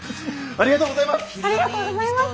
ありがとうございます！